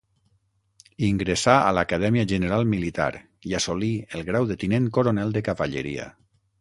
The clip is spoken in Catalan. Ingressà a l'Acadèmia General Militar i assolí el grau de tinent coronel de cavalleria.